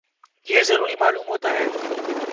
یہ ضروری معلوم ہوتا ہے